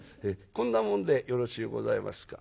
こんなもんでよろしゅうございますか？」。